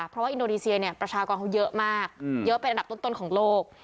เพราะว่าอินโดนีเซียเนี่ยประชากรเขาเยอะมากเยอะเป็นอันดับต้นของโลก